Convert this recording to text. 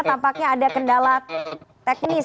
tampaknya ada kendala teknis